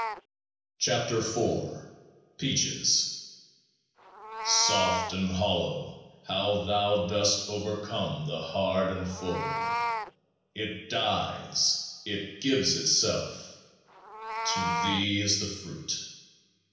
11 KEOAAH B PEACHES Soft and hollow, how thou dost overcome the hard and full ! It dies, it gives itself ; to Thee is the fruit